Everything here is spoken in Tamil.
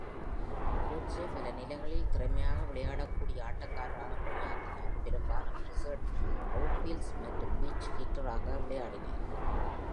கோட்சே பல நிலைகளில் திறமையாக விளையாடக் கூடிய ஆட்டக்காரராக பணியாற்றினார், பெரும்பாலும் ரிசர்வ் அவுட்பீல்ட் மற்றும் பிஞ்ச் ஹிட்டராக விளையாடினர்.